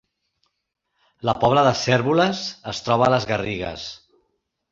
La Pobla de Cérvoles es troba a les Garrigues